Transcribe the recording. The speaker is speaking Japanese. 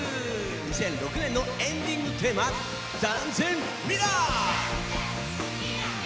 ２００６年のエンディングテーマ「ダンゼン！未来」。